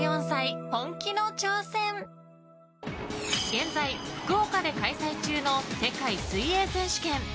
現在、福岡で開催中の世界水泳選手権。